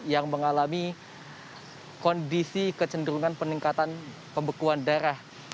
yang mengalami kondisi kecenderungan peningkatan pembekuan darah